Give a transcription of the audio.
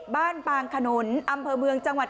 ปางขนุนอำเภอเมืองจังหวัด